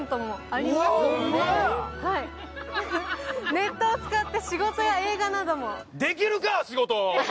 ネットを使って、仕事や映画などもできるか！